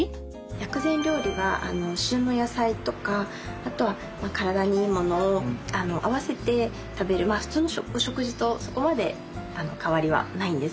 薬膳料理は旬の野菜とかあとは体にいいものを合わせて食べる普通の食事とそこまで変わりはないんです実は。